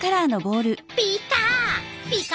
ピカ！